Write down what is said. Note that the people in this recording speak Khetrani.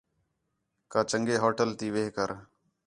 کا چنڳے ہوٹل تی وِہ کر